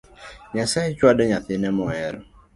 Nyasaye chwado nyathine mohero